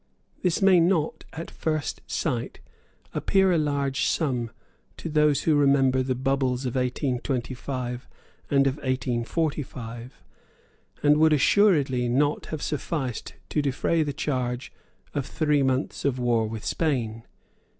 This may not, at first sight, appear a large sum to those who remember the bubbles of 1825 and of 1845, and would assuredly not have sufficed to defray the charge of three months of war with Spain.